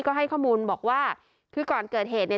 ก็ให้ข้อมูลบอกว่าคือก่อนเกิดเหตุเนี่ย